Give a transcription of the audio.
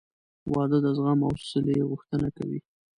• واده د زغم او حوصلې غوښتنه کوي.